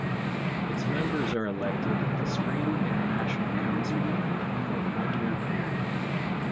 Its members are elected at the Spring International Council Meeting for a one-year period.